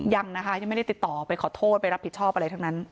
ยังนะคะยังไม่ได้ติดต่อไปขอโทษไปรับผิดชอบอะไรทั้งนั้น